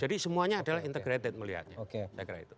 jadi semuanya adalah integrated melihatnya